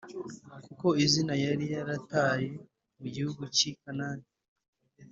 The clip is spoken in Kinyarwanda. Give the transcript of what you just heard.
Kuko inzara yari yarateye mu gihugu cy i kanani